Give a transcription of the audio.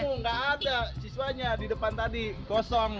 nggak ketemu nggak ada siswanya di depan tadi kosong